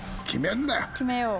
決めよう。